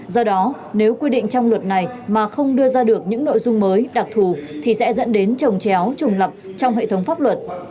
do đó nếu quy định trong luật này mà không đưa ra được những nội dung mới đặc thù thì sẽ dẫn đến trồng chéo trùng lập trong hệ thống pháp luật